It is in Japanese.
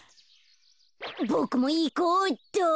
ボクもいこうっと。